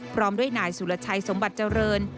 พร้อมด้วยนายสุรชัยสมบัติเจริญ